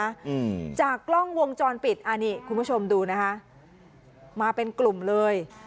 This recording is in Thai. อืมจากกล้องวงจรปิดอ่านี่คุณผู้ชมดูนะคะมาเป็นกลุ่มเลย